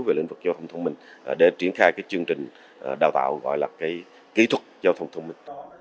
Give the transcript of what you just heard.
về lĩnh vực giao thông thông minh để triển khai cái chương trình đào tạo gọi là cái kỹ thuật giao thông thông minh